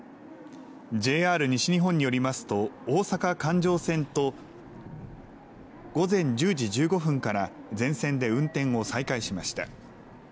ＪＲ西日本によりますと大阪環状線と午前１０時１５分から全線で運転を再開しました。